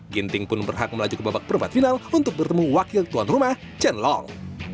ginting pun berhak melaju ke babak perempat final untuk bertemu wakil tuan rumah chen long